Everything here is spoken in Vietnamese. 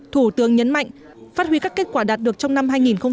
thủ tướng nhấn mạnh phát huy các kết quả đạt được trong năm hai nghìn một mươi tám